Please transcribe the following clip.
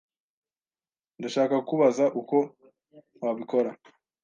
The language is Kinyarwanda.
Ndashaka kukubaza uko wabikora.